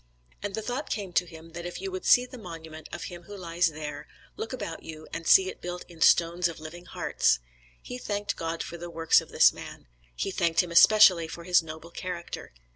And the thought came to him that if you would see the monument of him who lies there, look about you and see it built in stones of living hearts. He thanked God for the works of this man; he thanked Him especially for his noble character.